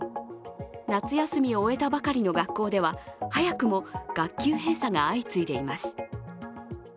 夏休みを終えたばかりの学校では早くも学級閉鎖が相次いでいます。